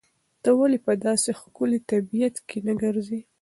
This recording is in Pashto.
ته ولې په داسې ښکلي طبیعت کې نه ګرځې؟